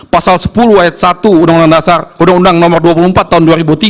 pasal sepuluh h satu dua puluh empat tahun dua ribu tiga